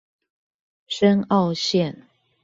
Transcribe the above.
深澳線